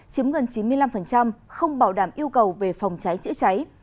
chiếm gần chín mươi năm không bảo đảm yêu cầu về phòng cháy chữa cháy